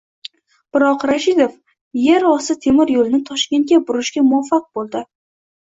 Biroq, Rashidov "er osti temir yo'lini" Toshkentga burishga muvaffaq bo'ldi